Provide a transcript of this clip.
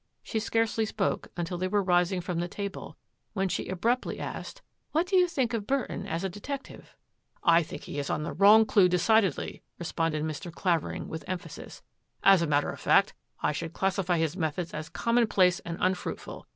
She scarcely spoke imtil they were rising from the table when she abruptly asked, " What do you think of Burton as a detective? "" I think he is on the wrong clue decidedly," responded Mr. Clavering, with emphasis. " As a matter of fact, I should classify his methods as commonplace and unfruitful.